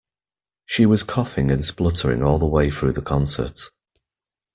She was coughing and spluttering all the way through the concert.